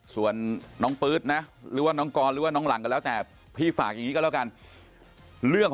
ส่วนน้องปื๊ดนะหรือว่าน้องกรหรือว่าน้องหลังก็แล้วแต่